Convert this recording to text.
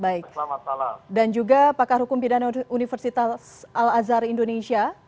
baik selamat malam dan juga pakar hukum pidana universitas al azhar indonesia